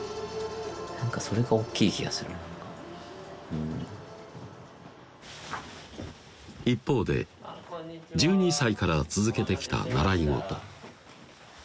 何かそれがおっきい気がする何かうん一方で１２歳から続けてきた習い事